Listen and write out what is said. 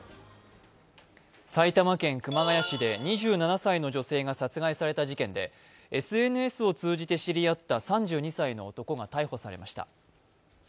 埼玉県熊谷市で２７歳の女性が殺害された事件でＳＮＳを通じて知り合った３２歳の男が逮捕されました。